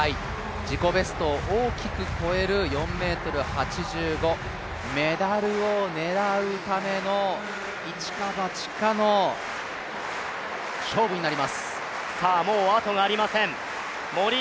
自己ベストを大きく超える４ｍ８５、メダルを狙うための一か八かの勝負になります。